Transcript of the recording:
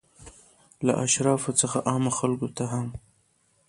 له اشرافو څخه عامو خلکو ته هم.